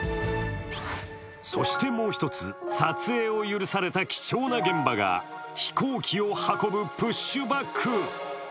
そしてもう一つ、撮影を許された貴重な現場が飛行機を運ぶプッシュバック。